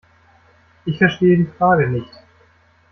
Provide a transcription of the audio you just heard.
Ich verstehe die Frage nicht.